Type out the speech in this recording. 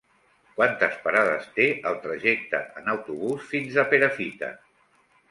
Quantes parades té el trajecte en autobús fins a Perafita?